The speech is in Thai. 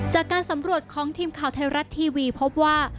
จากการสำรวจของทีมข่าวไทยรัฐทีวีพบว่า